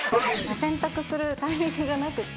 洗濯するタイミングがなくって。